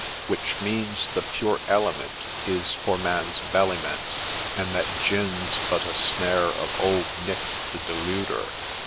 Which means ' The pure Element Is for Man's belly meant !' And that Gin 's but a Snare of Old Nick the deluder